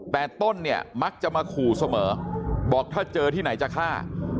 แต่ต้นเนี่ยมักจะมาขู่เสมอบอกถ้าเจอที่ไหนจะฆ่า